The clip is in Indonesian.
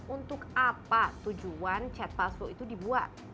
untuk apa tujuan chat password itu dibuat